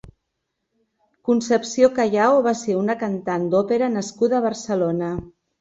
Concepció Callao va ser una cantant d'òpera nascuda a Barcelona.